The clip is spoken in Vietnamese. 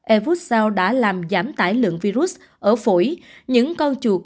evuseld đã làm giảm tải lượng virus ở phổi những con chuột